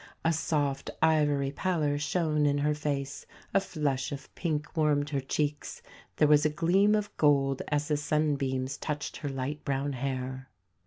A soft, ivory pallor shone in her face, a flush of pink warmed her cheeks, there was a gleam of gold as the sunbeams touched her light brown hair.